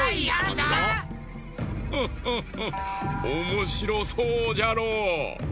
おもしろそうじゃろう？